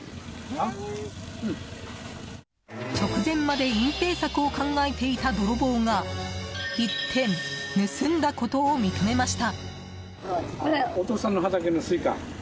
直前まで隠ぺい策を考えていた泥棒が一転、盗んだことを認めました。